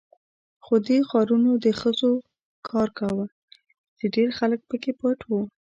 خو دې غارونو د خزو کار کاوه، چې ډېر خلک پکې پټ وو.